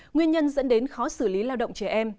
nguyên nhân dẫn đến khó xử lý lao động trẻ em